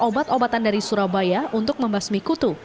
obat obatan dari surabaya untuk membasmi kutu